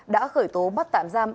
đã khởi tố bắt tạm giam